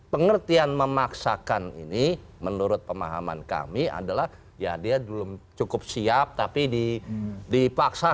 pengertian memaksakan ini menurut pemahaman kami adalah ya dia belum cukup siap tapi dipaksa